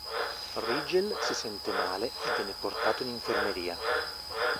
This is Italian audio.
Rygel si sente male e viene portato in infermeria.